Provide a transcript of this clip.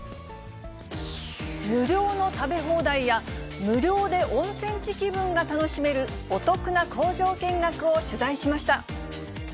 無料の食べ放題や、無料で温泉地気分が楽しめる、お得な工場見学を取材しました。